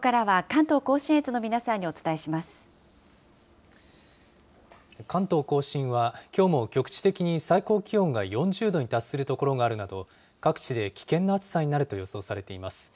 関東甲信は、きょうも局地的に最高気温が４０度に達する所があるなど、各地で危険な暑さになると予想されています。